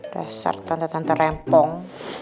dasar tante tante rempong